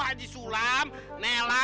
haji sulam nelan ami umi mariam